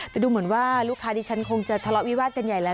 แต่ดูเหมือนว่าลูกค้าที่ฉันคงจะทะเลาะวิวาดกันใหญ่แล้ว